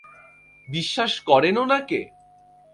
বিশ্বাস করেন উনাকে?